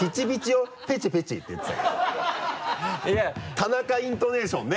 田中イントネーションね。